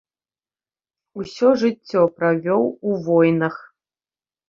Усё жыццё правёў у войнах.